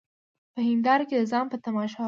په هینداره کي د ځان په تماشا وه